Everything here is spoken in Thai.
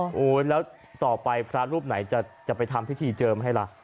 โอ้โหแล้วต่อไปพระรูปไหนจะไปทำพิธีเจิมให้ล่ะ